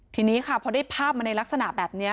ทีนี้ค่ะพอได้ภาพมาในลักษณะแบบนี้